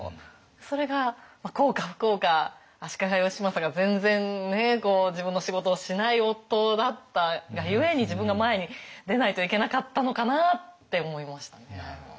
それが幸か不幸か足利義政が全然自分の仕事をしない夫だったがゆえに自分が前に出ないといけなかったのかなって思いましたね。